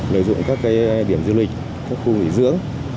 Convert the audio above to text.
lợi dụng các điểm du lịch khu nghỉ dưỡng